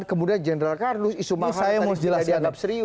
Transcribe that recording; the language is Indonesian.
kemudian general carlos isu mahar tadi tidak dianggap serius